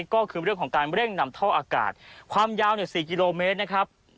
ก็คือเรื่องของการเร่งนำท่ออากาศความยาว๔กิโลเมตรนะครับ